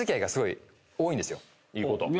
いいこと。